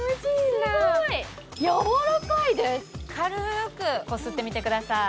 軽くこすってみてください。